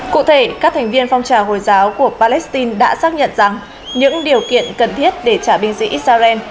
cụ thể các thành viên phong trào hồi giáo của palestine đã xác nhận rằng những điều kiện cần thiết để trả binh sĩ israel